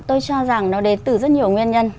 tôi cho rằng nó đến từ rất nhiều nguyên nhân